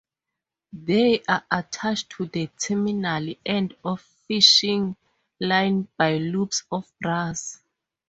They are attached to the terminal end of fishing line by loops of brass.